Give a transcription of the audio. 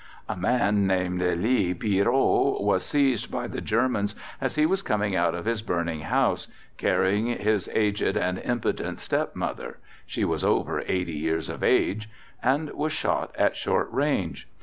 A man named Elie Pierrot was seized by the Germans as he was coming out of his burning house, carrying his aged and impotent step mother (she was over 80 years of age), and was shot at short range.